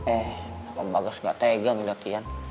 eh om bagas gak tegang lihat ian